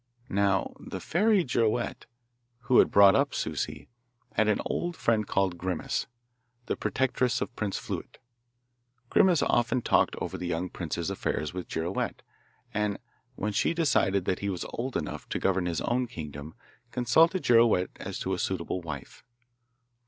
Now the fairy Girouette, who had brought up Souci, had an old friend called Grimace, the protectress of Prince Fluet. Grimace often talked over the young prince's affairs with Girouette, and, when she decided that he was old enough to govern his own kingdom, consulted Girouette as to a suitable wife.